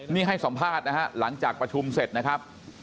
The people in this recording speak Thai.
นี่ให้สัมภาษณ์นะฮะหลังจากประชุมเสร็จนะครับ